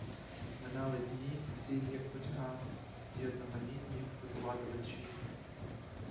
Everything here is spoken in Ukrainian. Минали дні, сірі, як нудьга й одноманітні, як степова далечінь.